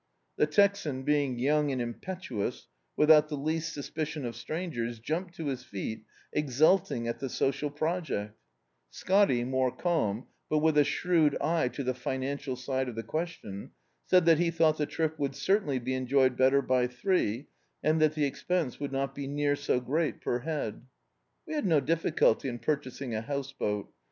The Texan, being young and impetuous, without the least suspicion of strangers, jumped to his feet, exulting at the social projecL Scotty, more calm, but with a shrewd eye to the financial side of the question, said that he thou^t the trip would cer^ tainly be enjoyed better by three, and that the ex pense would not be near so great per head. We had no difficulty in purchasing a house boat.